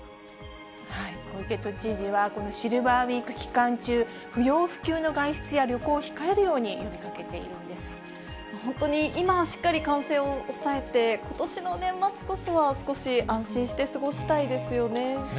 小池都知事はこのシルバーウィーク期間中、不要不急の外出や旅行を控えるように呼びかけてい本当に今しっかり感染を抑えて、今年の年末こそは少し安心して過ごしたいですよね。